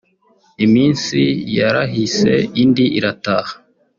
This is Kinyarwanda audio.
Iminsi yarahise indi irataha